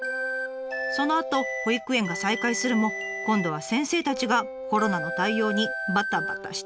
そのあと保育園が再開するも今度は先生たちがコロナの対応にバタバタしていました。